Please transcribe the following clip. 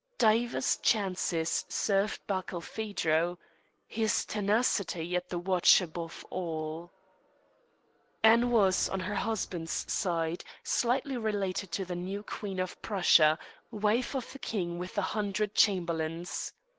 Divers chances served Barkilphedro his tenacity at the watch above all. Anne was, on her husband's side, slightly related to the new Queen of Prussia, wife of the king with the hundred chamberlains.